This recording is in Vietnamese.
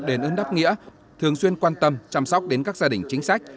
đền ơn đáp nghĩa thường xuyên quan tâm chăm sóc đến các gia đình chính sách